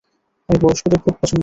আমি বয়স্কদের খুব পছন্দ করি।